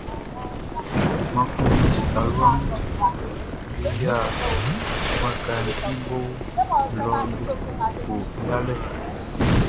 Gbanflɛn nin talua mun be yia wakaʼn i bo lɔ be koko yalɛ.